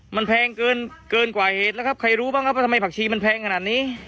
มันแพงเกินเกินกว่าเหตุแล้วครับใครรู้บ้างครับว่าทำไมผักชีมันแพงขนาดนี้